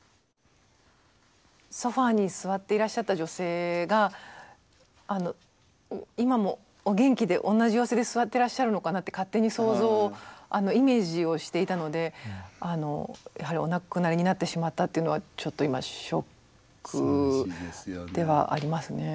ソファーに座っていらっしゃった女性があの今もお元気で同じ様子で座ってらっしゃるのかなって勝手に想像をイメージをしていたのであのやはりお亡くなりになってしまったっていうのはちょっと今ショックではありますね。